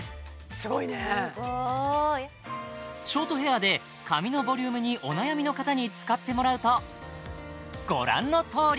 すごいねすごいショートヘアで髪のボリュームにお悩みの方に使ってもらうとご覧のとおり！